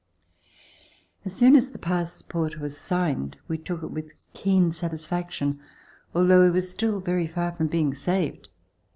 As soon as the passport was signed, we took it with keen satisfaction, although we were still very far from being saved.